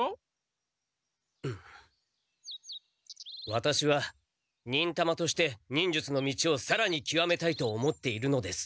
ワタシは忍たまとして忍術の道をさらにきわめたいと思っているのです。